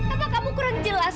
apa kamu kurang jelas